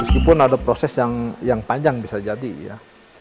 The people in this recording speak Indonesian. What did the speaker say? meskipun ada proses yang panjang bisa jadi ya